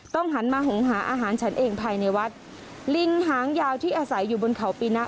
หันมาหงหาอาหารฉันเองภายในวัดลิงหางยาวที่อาศัยอยู่บนเขาปีนะ